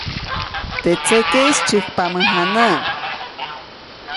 Teʼ tsekeʼis tsyäjku mäjanäʼ.